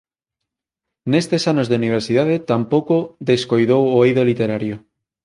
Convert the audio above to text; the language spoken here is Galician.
Nestes anos de universidade tampouco descoidou o eido literario.